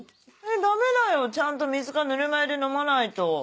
ダメだよちゃんと水かぬるま湯で飲まないと。